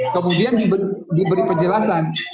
kemudian diberi penjelasan